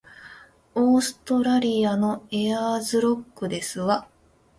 オーストラリアのエアーズロックですわ